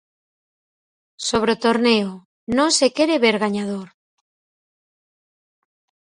Sobre o torneo: non se quere ver gañador.